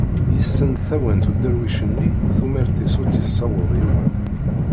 Yesssen tawant uderwic nni tumert-is ur tt-yessaweḍ yiwen.